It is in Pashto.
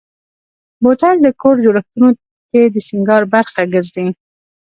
بوتل د کور جوړښتونو کې د سینګار برخه ګرځي.